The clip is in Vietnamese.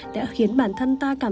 đã khiến bản thân ta khó khăn hơn